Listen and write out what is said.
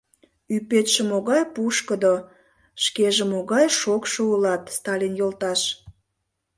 — Ӱпетше могай пушкыдо, шкеже могай шокшо улат, Сталин йолташ...